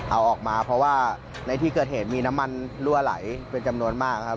เอาออกมาเพราะว่าในที่เกิดเหตุมีน้ำมันรั่วไหลเป็นจำนวนมากครับ